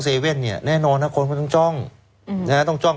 เว่นเนี่ยแน่นอนนะคนก็ต้องจ้องอืมนะฮะต้องจ้อง